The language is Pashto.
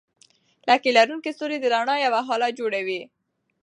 لکۍ لرونکي ستوري د رڼا یوه هاله جوړوي.